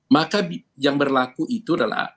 maka yang berlaku itu adalah